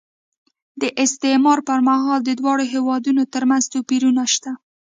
د استعمار پر مهال د دواړو هېوادونو ترمنځ توپیرونه شته.